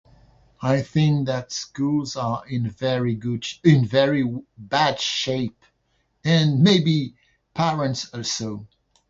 I think that schools are in very good sh- in very w- bad shape, and maybe parents also.